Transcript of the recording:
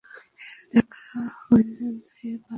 হ্যাঁ, দেখা হয়ে ভালো লাগল।